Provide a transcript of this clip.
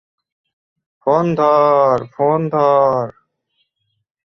Phone ধর, phone ধর।